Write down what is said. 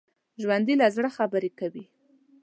ژوندي له زړه خبرې کوي